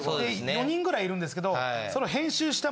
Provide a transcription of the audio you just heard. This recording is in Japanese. ４人ぐらいいるんですけど。